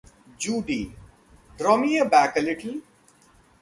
Judy - draw me back a little.